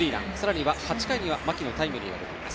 さらには８回に牧のタイムリー。